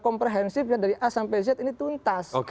komprehensif dari a sampai z ini tuntas